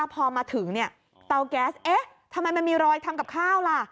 พอมาถึงเนี่ยเตาแก๊สเอ๊ะทำไมมันมีรอยทำกับข้าวล่ะ